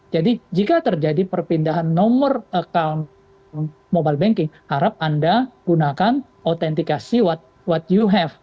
jadi jika terjadi perpindahan nomor akun mobile banking harap anda gunakan autentikasi yang anda punya